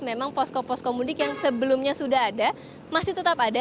memang posko posko mudik yang sebelumnya sudah ada masih tetap ada